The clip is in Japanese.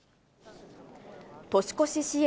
年越し支援